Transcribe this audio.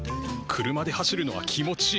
車で走るのは気持ちいい。